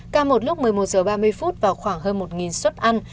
ca một lúc một mươi một h ba mươi vào khoảng hơn một xuất ăn